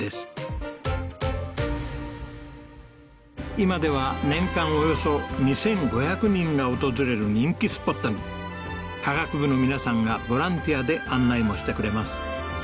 今では年間およそ２５００人が訪れる人気スポットに科学部の皆さんがボランティアで案内もしてくれます